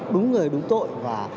đúng người đúng tội